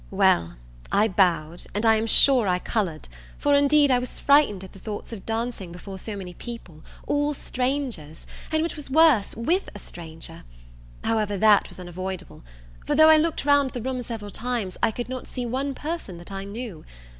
Well, I bowed, and I am sure I coloured; for indeed I was frightened at the thoughts of dancing before so many people, all strangers, and, which was worse, with a stranger: however, that was unavoidable; for, though I looked round the room several times, I could not see one person that I knew.